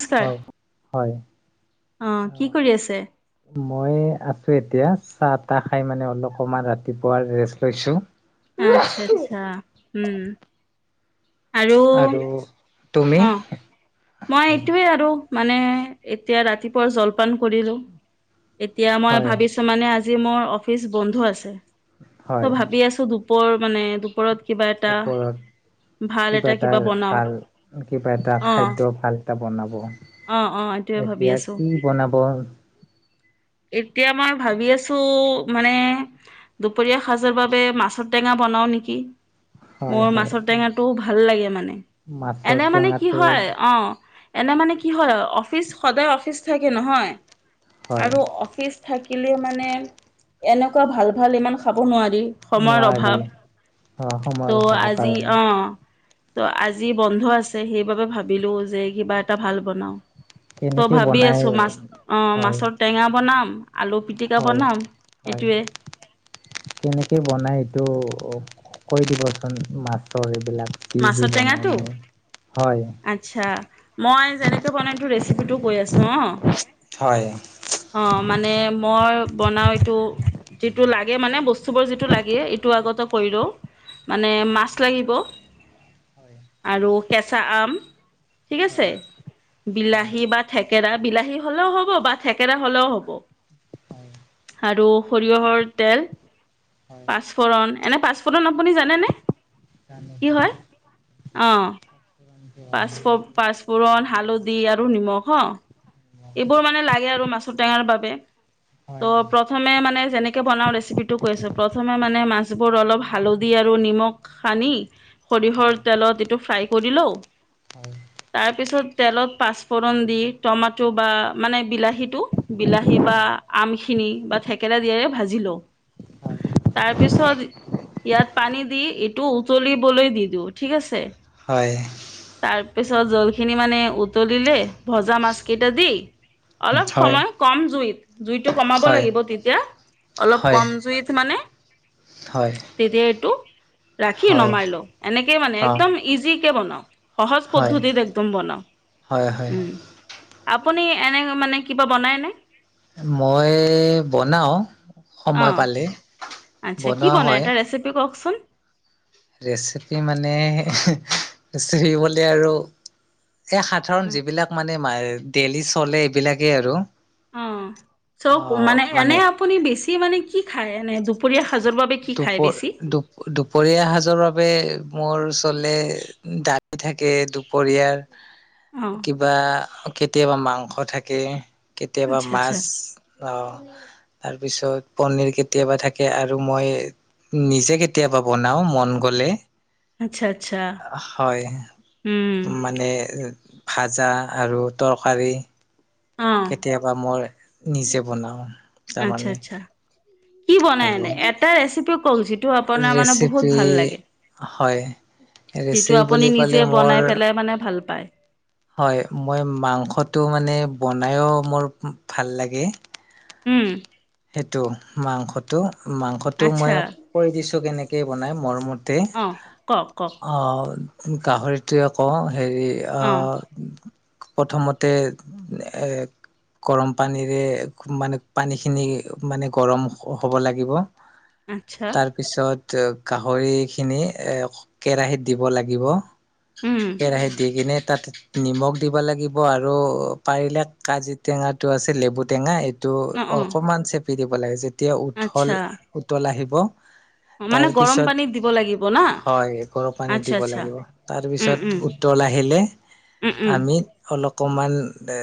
নমস্কাৰ হয় হয়, অ' কি কৰি আছে? মই আছো এতিয়া চাহ তাহ খাই মানে অলপকমান ৰাতিপুৱা ৰেষ্ট লৈছো। আচ্ছা আচ্ছা উম, আৰু, তুমি, অ মই হয় এইটোৱে আৰু মানে এতিয়া ৰাতিপুৱা জলপান কৰিলো। এতিয়া মই হয় ভাবিছো মানে আজি মোৰ অফিচ বন্ধ আছে হয় চ' ভাবি আছো দু পৰ মানে দুপৰত, ওপৰত কিবা এটা ভাল কিবা এটা অ খাদ্য অ ভাল, বনাব অ এইটোৱে ভাবি এতিয়া আছো কি বনাব, এতিয়া মই ভাবি আছোঁ মানে, দুপৰীয়া সাজৰ বাবে মাছৰ টেঙা বনাও নেকি, হয় মোৰ হয় মাছৰ টেঙাটোও ভাল লাগে মানে মাছৰ এনে মানে কি টেঙাটো হয়, অ' এনে মানে কি হয় অফিচ সদায় অফিচ থাকে নহয়। হয় আৰু অফিচ থাকিলে মানে এনেকুৱা ভাল ভাল ইমান খাব নোৱাৰি। সময়ৰ নোৱাৰি অভাৱ অ সময়ৰ ত' অভাৱৰ আজি কাৰণে অ' ত' আজি বন্ধ আছে সেইবাবে ভাবিলো যে কিবা এটা ভাল বনাও, ত' কেনেকে ভাবি বনাই আছো মাছ অ হয় মাছৰ টেঙা বনাম। আলু পিটিকা হয় বনাম হয়, এইটোৱে কেনেকে বনাই এইটো কৈ দিবচোন মাছৰ এইবিলাক, কি কি মাছৰ বনাই মানে হয়, আছা মই যেনেকে বনাইটো ৰেচিপি টো কৈ আছো অ', হয়, অ' মানে মই বনাও এইটো, যিটো লাগে মানে বস্তুবোৰ যিটো লাগে। এইটো আগতে কৰি লওঁ। মানে মাছ লাগিব। [inaudible] আৰু কেঁচা আম ঠিক আছে। হয় হয় বিলাহী বা থেকেৰা বিলাহী হলেও হ'ব বা থেকেৰা হ'লেও হ'ব। আৰু সৰিয়হৰ তেল, হয় হয় পাঁচপুৰণ। এনে পাঁচপূৰণ আপুনি জানেনে? কি হয় [inaudible] হয় অ' পাঁচপুৰন, হালধি আৰু নিমখ হা এইবোৰ মানে লাগে আৰু মাছৰ টেঙাৰ বাবে। ত' হয় প্ৰথমে মানে যেনেকে বনাও ৰেচিপি টো কৈছো। প্ৰথমে মানে মাছবোৰ অলপ হালধি আৰু নিমখ সানি হয় সৰিয়হৰ তেলত ইটো ফ্ৰাই কৰি লওঁ। হয়। তাৰপিছত তেলত পাঁচপুৰণ দি টো বা মানে বিলাহীটো বিলাহী বা আমখিনি বা থেকেৰা দিয়োৰে ভাজি লওঁ। [inaudible] তাৰপিছত ইয়াত পানী দি এইটো উতলিবলৈ দি দিওঁ ঠিক আছে। হয়। তাৰপিছত জলখিনি মানে উতলিলে, ভজা মাছ কেইটা দি হয় অলপ সময় কম জুইত, জুইতটো কমাব লাগিব তেতিয়া অলপ হয় কম জুইত মানে হয়। তেতিয়া এইটো ৰাখি হয় নমাই লওঁ। এনেকেই মানে অঁ একদম ইজিকে বনাওঁ। সহজ হয় পদ্ধতিত একদম বনাও। হয় হয় উম। আপুনি এনে মানে কিবা বনায়নে? মই বনাও সময় অঁ পালে। আচ্ছা কি বনোৱা বনাই হয় এটা ৰেচিপি কওঁকচোন। ৰেচিপি মানে ৰেচিপিবলে আৰু এই সাধাৰণ যিবিলাক মানে ডেইলি চলে এইবিলাকেই আৰু অ চ অ মানে এনে আপুনি বেছি মানে কি খায়? এনে দুপৰীয়া সাজৰ বা দুপৰ দু দুপৰীয়া সাজৰ বাবে মোৰ ওচৰলে দাই থাকে। দুপৰীয়াৰ অঁ কিবা কেতিয়াবা মাংস থাকে, কেতিয়াবা আচ্ছা মাছ। আচ্ছা অ তাৰপিছত পনিৰ কেতিয়াবা থাকে আৰু মই নিজে কেতিয়াবা বনাওঁ মন গ'লে। আচ্ছা আচ্ছা হয়। উম মানে ভাজা আৰু তৰকাৰী। অ কেতিয়াবা মোৰ নিজে বনাওঁ। আচ্ছা আচ্ছা। কি বনাই? আৰু এনে এটা ৰেচিপি কওক টো আপোনাৰ মানে বহুত ৰেচিপি ভাল লাগে। হয় যিটো ৰেচি আপুনি বুলি নিজে কলে বনাই মোৰ পেলাই মানে ভাল পায়। হয় মই মাংসটো মানে বনাইও মোৰ ভাল লাগে। উম। সেইটো মাংসটো মাংসটো মই আচ্ছা কৈ দিছোঁ কেনেকৈ বনাই মৰমত তে অ কওক কওক অ' গাহৰিটোৱে আকৌ হেৰি অ' প্ৰথমতে এ গৰম পানীৰে মানে পানীখিনি মানে গৰম হ'ব লাগিব। আচ্ছা। তাৰ পিছত গাহৰিখিনি এ কেৰাহীত দিব লাগিব। উম কেৰাহীত দি কিনে তাত নিমখ দিব লাগিব আৰু পাৰিলে কাজিৰ টেঙাটো আছে লেবু টেঙা এই টো অ অ অকমান চেপি দিব লাগে যেতিয়া উঠল আচ্ছা উতল আহিব। অ, মানে গৰম তাৰপিছত পানীত দিব লাগিব না হয় গৰম পানীত আচ্ছা দিব আচ্ছা লাগিব। উম তাৰপিছত উম উত তল আহিলে উম উম আমি অলকমান এ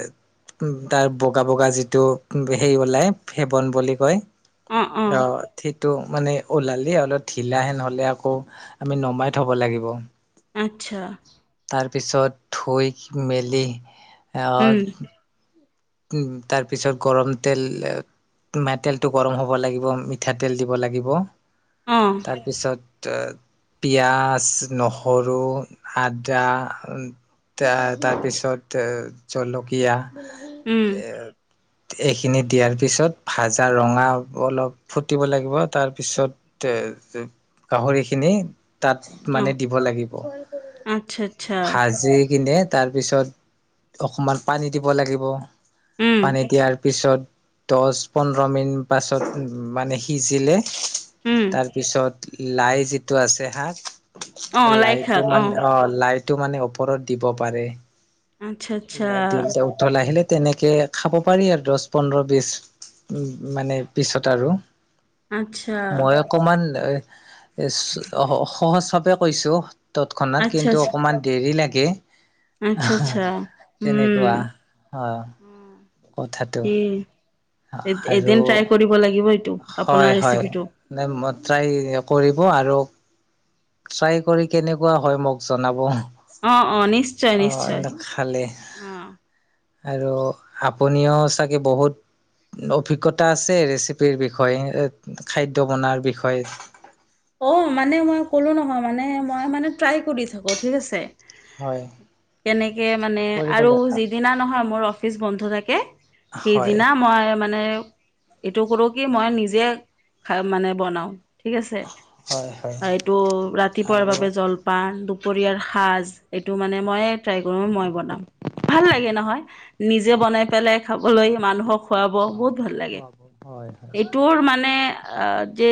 তাৰ বগা বগা যিটো হেৰি ওলাই [unintelligible] বুলি কয় অ'। সেইটো মানে ওলালেই অলপ ঢিলাহেন হ'লে আকৌ আমি নমাই থ'ব লাগিব। আচ্ছা। তাৰপিছত ধুই মেলি উম অ' উম, তাৰ পিছত গৰম তেল মেটেলটো গৰম হ'ব লাগিব মিঠাতেল দিব লাগিব। উম। পিছত ত পিয়াঁজ নহৰু আদা এ তাৰপিছত এ জলকীয়া উম এ এইখিনি দিয়াৰ পিছত ভাজা ৰঙা অলপ ফুটিব লাগিব। তাৰ পিছত তে গাহৰিখিনি তাত অ মানে দিব লাগিব। আচ্ছা আচ্ছা ভাজি কিনে তাৰপিছত অকণমান পানী দিব লাগিব। উম পানী দিয়াৰ পিছত দহ পোন্ধৰ মিনিট পাছত মানে সিজিলে। উম তাৰপিছত লাই যিটো আছে অ শাক। লাই শাক লাইটো মানে অ' লাইটো মানে ওপৰত দিব পাৰে। আচ্ছা লাই আচ্ছা দিলতে উতল আহিলে তেনেকে খাব পাৰি আৰু দহ পোন্ধৰ বিশ উম, মানে পিছত আৰু। আচ্ছা। মই অকমান এ চ-সহজ ভাৱে কৈছো। তৎক্ষণাত কিন্তু অকমান দেৰি লাগে। আচ্ছা আচ্ছা। উম তেনেকুৱা অ' কথাটো। এদি আৰু এদিন ট্ৰাই কৰিব লাগিব। এইটো আপোনাৰ হয়, হয়, ৰেচিপিটো ন মই ট্ৰাই কৰিব আৰু [unintelligible] কৰি কেনেকুৱা হয় মোক জনাব। অ', অ', নিশ্চয় অ নিশ্চয়। খালে অ আৰু আপুনিও চাগে বহুত অভিজ্ঞতা আছে ৰেচিপিৰ বিষয়ে খাদ্য বনোৱাৰ বিষয়ে। অ', মানে মই ক'লো নহয় মানে মই মানে ট্ৰাই কৰি থাকো ঠিক আছে। হয় কেনেকে মানে কৰিব আৰু যি লাগে সিদিনা নহয় মোৰ অফিচ বন্ধ থাকে হয় সিদিনা মই মানে এইটো কৰো কি মই নিজে খা মানে বনাও ঠিক আছে। হয়। এইটো ৰাতিপুৱাৰ আৰু বাবে জল- পান দুপৰীয়াৰ সাজ এইটো মানে মইে ট্ৰাই কৰোঁ মই বনাম। ভাল লাগে নহয়, নিজে বনাই পেলাই খাবলৈ মানুহক- খুৱাব হয় বহুত ভাল লাগে। খোৱা বোৱা হয় হয় এইটোৰ মানে- আঁহ', যে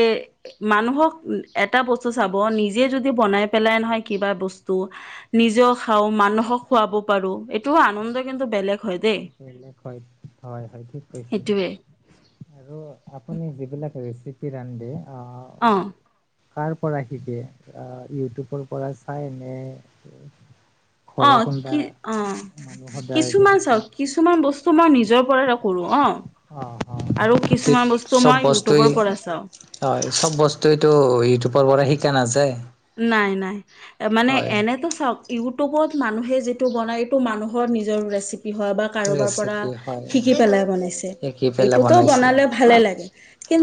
মানুহক- এটা বস্তু চাব নিজে যদি বনাই পেলাই নহয় কিবা বস্তু- নিজেও খাওঁ মানুহক খোৱাব পাৰোঁ এইটোও আনন্দ কিন্তু বেলেগ হয় দেই বেলেগ হয় হয় হয় ঠিক কৈছে সেইটোৱে। আৰু আপুনি যিবিলাক ৰেচিপি ৰান্ধে আঁহ', - অঁহ। কাৰ পৰা শিকে ইউটিউবৰ পৰা চাই নে? উ- অঁহ', কি অঁহ', সদায় -কিছুমান দেখিছে চাওক- কিছুমান বস্তু মই নিজৰ পৰাই কৰোঁ অঁ', -। অ অ আৰু কিছুমান বস্তু চব মই বস্তুৱেই ইউটিউবৰ পৰা চাওঁ। হয়, চব বস্তুটো ইউটিউবৰ পৰা শিকা নাযায়। নাই-নাই, মানে হয় এনেইতো চব- ইউটিউবত মানুহে যিটো বনায় এইটো মানুহৰ নিজৰ ৰেচিপি হয় বা- কাৰোবাৰ পৰা ৰেচিপি হয় শিকি পেলাই বনাইছে শিকি পেলাই এইটোতো বনাইছিলোঁ বনালে ভালে লাগে।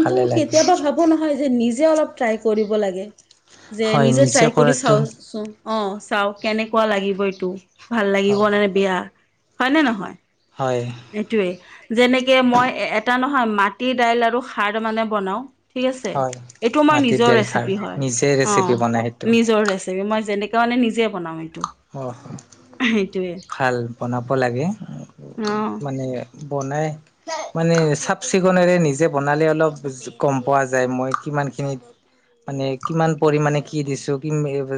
ভালে লাগে কেতিয়াবা ভাবো নহয় যে নিজে অলপ ট্ৰাই কৰিব লাগে। যে হয় নিজে ট্ৰাই কৰি কৰাটো চাওঁচোন। অঁহ', -চাওঁ কেনেকুৱা লাগিব এইটো ভাল লাগিব নে বেয়া হয় নে নহয়। হয়। এইটোৱে। যেনেকে মই এটা নহয় মাটি দাইল আৰু খাৰ মানে বনাওঁ- ঠিক আছে। হয়, এইটো আমাৰ মাটিৰ নিজৰ দাইল খাৰ ৰেচিপি হয়, নিজে ৰেচিপি অঁ', বনাই সেইটো। নিজৰ ৰেচি- পি মই যেনেকৈ মানে নিজে বনাওঁ এইটো। অহ', সেইটোৱে ভাল বনাব লাগে। অ মানে বনাই- মানে চাফ-চিকুণৰে নিজে বনালে অলপ গম পোৱা যায় মই কিমান খিনিত মানে কিমান পৰিমানে কি দিছো কি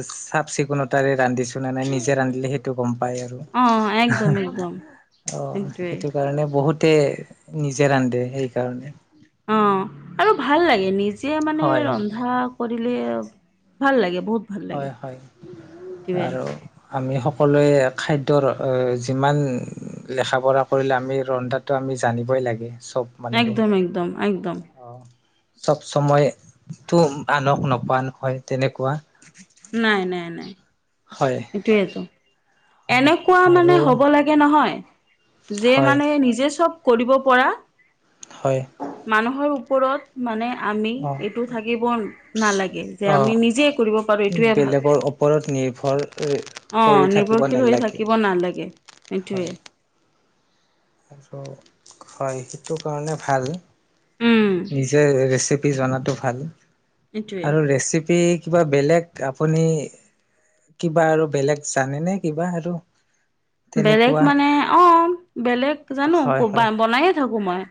চাফ-চিকুণতাৰে ৰান্ধিছো। টুনা নাই নিজে ৰান্ধিলে'হে- সেইটো গম পাই আৰু। অ একদম একদম অ', সেইটোৱে সেইটো কাৰণে বহুত- তে নিজে ৰান্ধে সেইকাৰণে। অঁ', আৰু ভাল লাগে, নিজে মানে হয় ৰন্ধা- কৰিলে ভাল লাগে বহুত। ভাল লাগে হয়-হয়। সেইটোৱে আৰু- আমি সকলোৱে খাদ্যৰ যিমান লেখা-পঢ়া কৰিলে আমি ৰন্ধা- তো আমি জানিবই লাগে চব। মানুহে একদম, একদম, একদম। চব সময়তো আনক নোকোৱা নহয় তেনেকুৱা। নাই-নাই-নাই। হয়। এইটোয়েতো। এনেকুৱা মানে আৰু হ'ব লাগে নহয়, যে হয় মানে নিজে চব কৰিব পৰা হয়। মানুহৰ ওপৰত মানে আমি অঁ এইটো থাকিব নালাগে যে অঁ আমি নিজেই কৰিব পাৰোঁ বেলেগৰ ওপৰত নিৰ্ভৰ অ কৰি থাকিব নিৰ্ভৰশীল হৈ নালাগে থাকিব নালাগে সেইটোৱে। হয় হয় সেইটো কাৰণে ভাল। উম নিজে ৰেচিপ বিজনাটো ভাল। এইটোৱে আৰু ৰেচিপি কিবা বেলেগ আপুনি কিবা আৰু বেলেগ জানেনে কিবা আৰু? বেলেগ তেনেকুৱা মানে অ' বেলেগ জানো হয় সৰুপা হয় বনাইয়ে থাকো মই।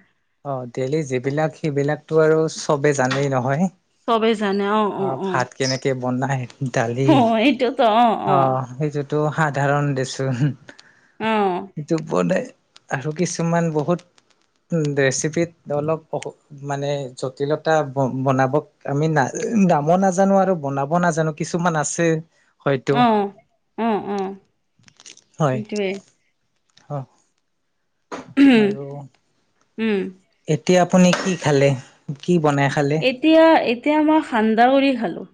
অ' ডেইলি যিবিলাক সিবিলাকতো আৰু চবে জানেই নহয়। চবেই জানে অ', অ', অ'। কেনেকে বনাই দালি অ' সেইটোত টো সাধাৰণ দেচোন, অ সেইটো বনাই আৰু কিছুমান বহুত ৰেচিপিত অলপ অসু মানে জটিলতা ব-বনাব আমি নাজ-নামো নাজানো আৰু বনাব নাজানো। কিছুমান আছে হয়টো, অ অ অ হয়। সেইটোৱে হ। উম। এতিয়া আপুনি কি খালে, কি বনাই খালে? এতিয়া এতিয়া মই সান্দাহ গুৰি খালোঁ।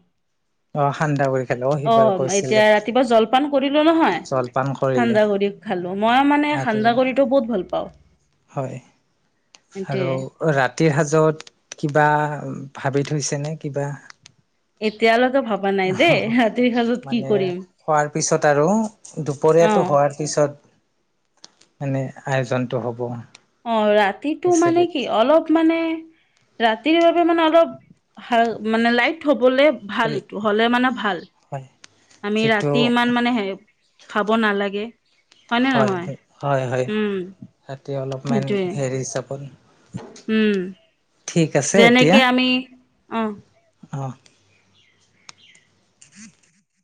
অ' সান্দহ গুৰি। অ' এতিয়া ৰাতিপুৱা জলপান কৰিলোঁ নহয় জলপান ক সান্দাহ গুৰি খালোঁ। মই মানে সান্দাহ গুৰিটো বহুত ভাল পাওঁ। হয়। সেইটোৱে আৰু ৰাতিৰ সাজত কিবা ভাবি থৈছেনে কিবা? এতিয়ালৈকে ভবা নাই দেই ৰাতিৰ সাজত কি মানে কৰিম খোৱাৰ পিছত আৰু অ দুপৰীয়াটো হোৱাৰ পিছত মানে আয়োজনটো হ'ব। অ' ৰাতিটো মানে ৰেচিপিত কি অলপ মানে ৰাতিৰ বাবে মানে অলপ হ মানে লাইট হ'বলে ভাল ইটো, হ'লে মানে ভাল। হয় আমি যিটো ৰাতি ইমান মানে হে, খাব নালাগে। হয়নে হয়, নহয় হয়, হয়, উম ৰাতি অলপমেন সেইটোৱে হেৰি হিচাপত উম, ঠিক আছে এতিয়া যেনেকে আমি, অ'। অ'। [inaudible]